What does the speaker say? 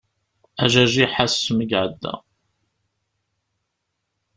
Ajajiḥ ass mi iɛedda.